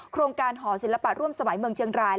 โครงการหอศิลปะร่วมสมัยเมืองเชียงราย